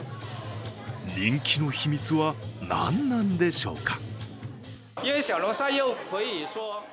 人気の秘密は何なんでしょうか。